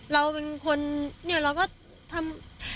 เราเป็นคนเนี่ยเราก็ทำ